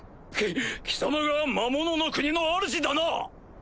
き貴様が魔物の国のあるじだな？